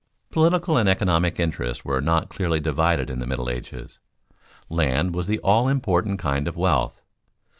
_ Political and economic interests were not clearly divided in the Middle Ages. Land was the all important kind of wealth.